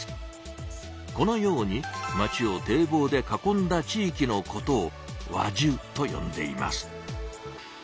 このように町を堤防で囲んだ地いきのことを「輪中」とよんでいます。